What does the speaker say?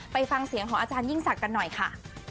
ไปฟังเสียงของอาจารยิ่งศักดิ์กันหน่อยค่ะ